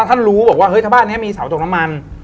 ท่านรู้บอกว่าเฮ้ยถ้าบ้านนี้มีเสาตกน้ำมัน